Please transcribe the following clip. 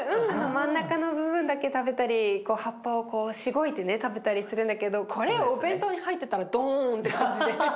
あの真ん中の部分だけ食べたり葉っぱをこうしごいてね食べたりするんだけどこれお弁当に入ってたらドーンって感じで。